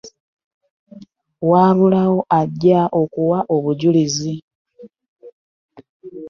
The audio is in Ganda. Waabulawo ajja okuwa obujulizi.